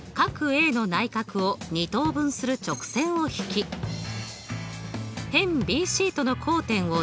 Ａの内角を２等分する直線を引き辺ＢＣとの交点をＤとした時